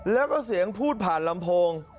แล้วก็เสียงพูดผ่านลำโพง